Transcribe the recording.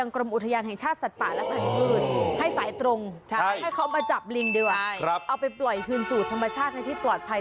ก็เลยให้เจ้าหน้าที่มาช่วยดูแลอย่างใกล้สิ